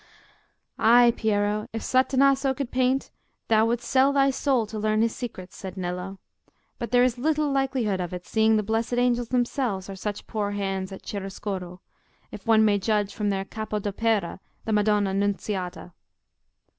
"Ay, Piero, if Satanasso could paint, thou wouldst sell thy soul to learn his secrets," said Nello. "But there is little likelihood of it, seeing the blessed angels themselves are such poor hands at chiaroscuro, if one may judge from their capo d'opera, the Madonna Nunziata."